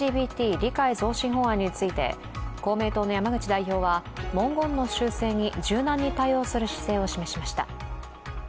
理解増進法案について公明党の山口代表は、文言の修正に柔軟に対応する姿勢を示しました。